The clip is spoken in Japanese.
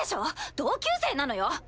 同級生なのよ？